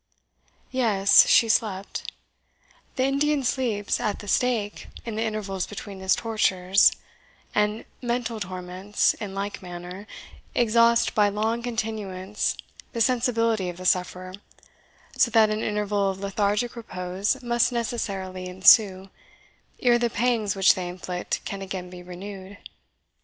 Yes, she slept. The Indian sleeps at the stake in the intervals between his tortures; and mental torments, in like manner, exhaust by long continuance the sensibility of the sufferer, so that an interval of lethargic repose must necessarily ensue, ere the pangs which they inflict can again be renewed.